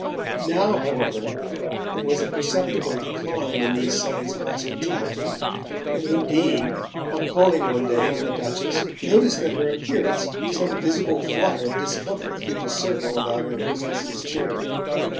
Now, however, there was a perceptible decline in these signs of hospitality, and Undine, on calling one day on the Duchess, noticed that her appearance sent a visible flutter of discomfort through the circle about her hostess's chair.